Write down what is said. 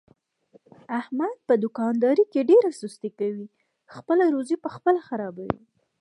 احمد په دوکاندارۍ کې ډېره سستي کوي، خپله روزي په خپله خرابوي.